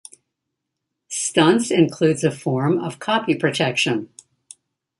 "Stunts" includes a form of copy protection.